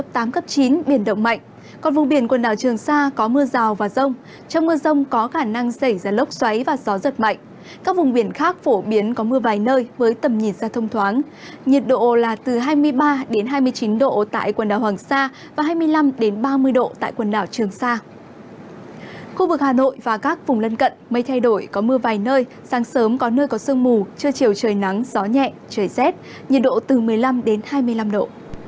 trưa chiều trời nắng gió nhẹ trời rét nhiệt độ từ một mươi năm đến hai mươi năm độ